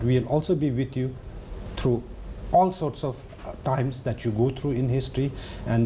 แต่เราก็อยู่กับคุณในทุกส่วนที่เกิดขึ้นในภาพศึกษา